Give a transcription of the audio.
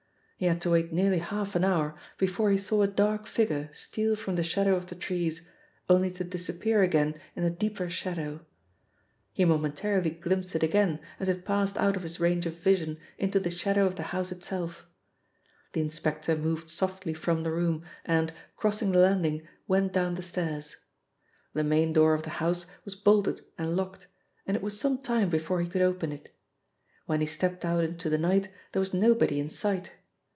He had to wait nearly half an hour before he saw a dark figure steal from the shadow of the trees, only to disappear again in a deeper shadow. He momentarily glimpsed it again as it passed out of his range of vision into the shadow of the house itself. The inspector moved softly from the room and, crossing the landing, went down the stairs. The main door of the house was bolted and locked, and it was some time before he could open it. When he stepped out into the night there was nobody in sight.